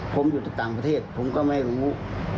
ผมอยู่ต่างประเทศผมก็ไม่รู้